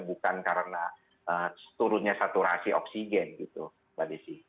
bukan karena turunnya saturasi oksigen gitu mbak desi